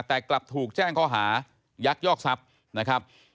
แต่กลับถูกแจ้งข้อหายักยอกทรัพย์นะครับ